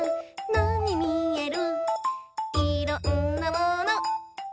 なにみえる？」